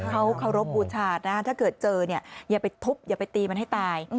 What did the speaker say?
เขาเคารพบูชานะถ้าเกิดเจอเนี่ยอย่าไปทุบอย่าไปตีมันให้ตาย